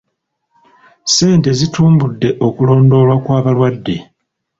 Ssente zitumbudde okulondoolwa kw'abalwadde.